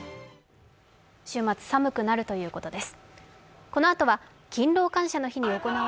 週末、寒くなるということです。